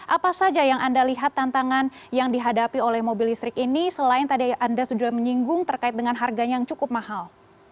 apa saja yang anda lihat tantangan yang dihadapi oleh mobil listrik ini selain tadi anda sudah menyinggung terkait dengan harganya yang cukup mahal